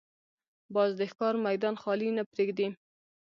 باز د ښکار میدان خالي نه پرېږدي